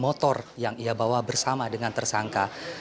motor yang ia bawa bersama dengan tersangka